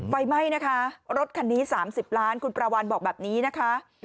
ไฟไหม้นะคะรถคันนี้๓๐ล้านคุณประวันบอกแบบนี้นะคะ